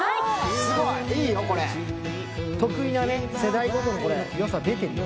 すごいいいよこれ得意なね世代ごとのよさ出てるよ